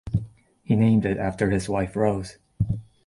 He named it after his wife Rose.